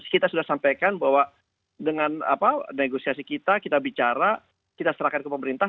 kita sudah sampaikan bahwa dengan negosiasi kita kita bicara kita serahkan ke pemerintah